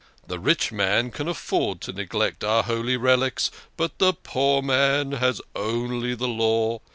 The rich man can afford to neglect our holy religion, but the poor man has only the Law.